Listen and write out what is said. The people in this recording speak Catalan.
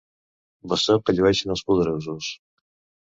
Bastó que llueixen els poderosos.